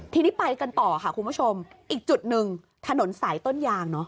ทีนี้ไปกันต่อค่ะคุณผู้ชมอีกจุดหนึ่งถนนสายต้นยางเนอะ